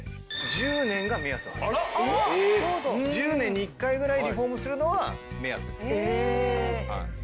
１０年に一回ぐらいリフォームするのが目安です。